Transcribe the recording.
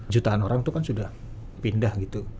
jutaan orang itu kan sudah pindah gitu